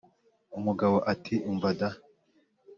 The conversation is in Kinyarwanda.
umugabo ati umva da!